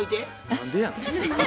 何でやの？